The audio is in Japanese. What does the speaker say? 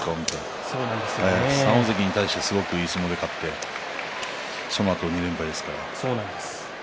３大関に対していい相撲で勝ってそのあと２連敗ですからね。